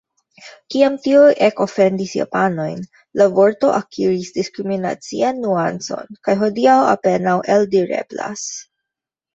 Kiam tiuj ekofendis japanojn, la vorto akiris diskriminacian nuancon kaj hodiaŭ apenaŭ eldireblas.